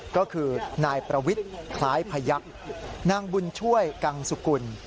ก็คือนายประวิทย์คล้ายพยักษ์นางบุญช่วยกังสุกุล